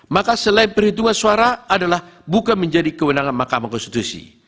maka selain perhitungan suara adalah bukan menjadi kewenangan mahkamah konstitusi